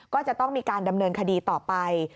ก็จะต้องมีการดำเนินคดีต่อไป